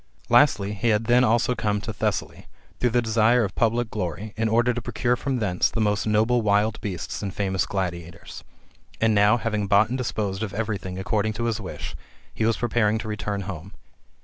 Lastly, he had then also come to Thessaly, through the desire of public glory, in order to procure from thence the most noble wild beasts and famous gladiators. And now, having bought and disposed of every thing according to his wish, he was preparing to return home.